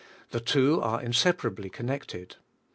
The two are inseparably connected.